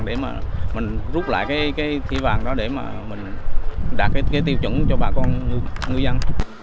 để mà mình rút lại cái kỹ vàng đó để mà mình đạt cái tiêu chuẩn cho bà con ngư dân